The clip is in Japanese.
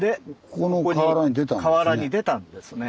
ここの河原に出たんですね。